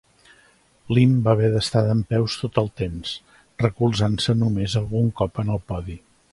Lim va haver d'estar dempeus tot el temps, recolzant-se només algun cop en el podi.